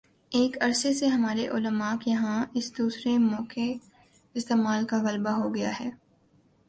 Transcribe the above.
ایک عرصے سے ہمارے علما کے ہاں اس دوسرے موقعِ استعمال کا غلبہ ہو گیا ہے